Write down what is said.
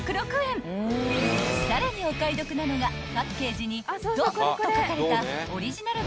［さらにお買い得なのがパッケージに「ド」と書かれた］